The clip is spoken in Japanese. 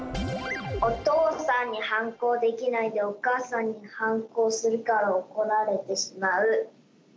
お父さんに反抗できないで、お母さんに反抗するから怒られてしまう。